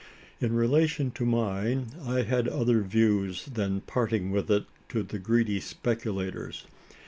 In relation to mine, I had other views than parting with it to the greedy speculators.